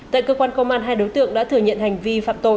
tại cơ quan công an hai đối tượng đã thừa nhận hành vi phạm tội